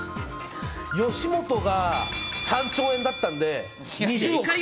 吉本が３兆円だったんで、２０億。